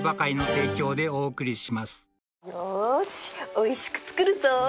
おいしく作るぞ！